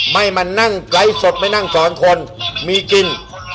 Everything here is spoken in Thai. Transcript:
ไม่มานั่งไลฟ์สดไม่นั่งสอนคนมีกิน